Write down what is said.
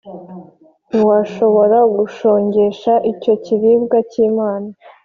ntiwashobora gushongesha icyo kiribwa cy’Imana,